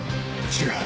違う。